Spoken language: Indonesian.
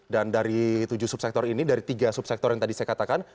dan dari tujuh subsektor ini dari tiga subsektor yang tadi saya katakan